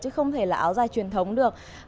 chứ không thể là áo dài truyền thống được